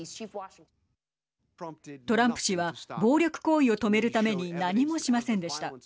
トランプ氏は暴力行為を止めるために何もしませんでした。